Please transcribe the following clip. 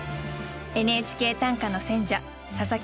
「ＮＨＫ短歌」の選者佐佐木